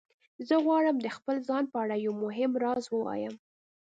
زه غواړم د خپل ځان په اړه یو مهم راز ووایم